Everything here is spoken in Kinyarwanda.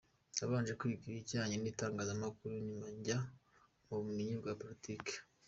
Nabanje kwiga ibijyanye n’itangazamakuru nyuma njya mu bumenyi bwa politiki.